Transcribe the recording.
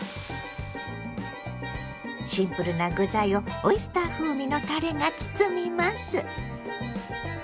シンプルな具材をオイスター風味のたれが包みます。